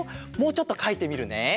もうちょっとかいてみるね。